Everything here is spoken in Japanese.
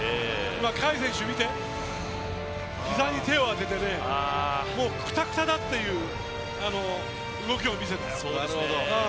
海選手、ひざに手を当ててもう、くたくただっていう動きを見せたよ。